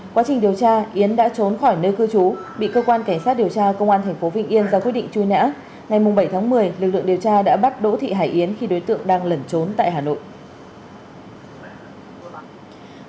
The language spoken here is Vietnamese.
quá trình điều tra yến đã trốn khỏi nơi cư trú bị cơ quan cảnh sát điều tra công an tp vĩnh yên ra quyết định truy nã ngày bảy tháng một mươi lực lượng điều tra đã bắt đỗ thị hải yến khi đối tượng đang lẩn trốn tại hà nội